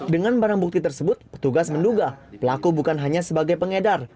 dengan barang bukti tersebut petugas menduga pelaku bukan hanya sebagai pengedar